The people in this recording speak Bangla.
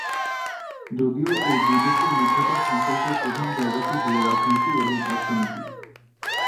যদিও এই দুই দেশের মধ্যকার সম্পর্কের প্রধান জায়গাটি হল রাজনীতি এবং অর্থনীতি।